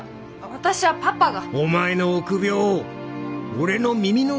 私はパパが。